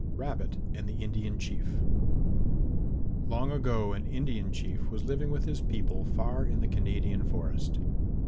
RABBIT AND THE INDIAN CHIEF Long ago an Indian Chief was living with his people far in the Canadian forest.